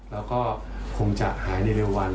แล้วก็คงจะหายในเร็ววัน